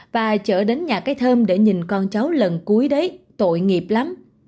và chở đến nhà cái thơm để nhìn con cháu lần cuối đấy tội nghiệp lắm